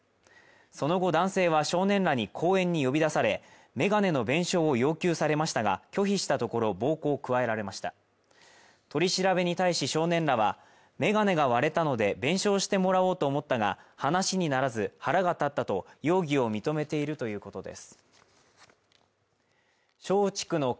その後男性は少年らに公園に呼び出され眼鏡の弁償を要求されましたが拒否したところ暴行を加えられました取り調べに対し少年らは眼鏡が壊れたので弁償してもらおうと思ったが話にならず腹が立ったと容疑を認めているということです